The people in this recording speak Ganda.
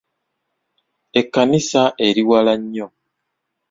Ekkanisa eri wala nnyo.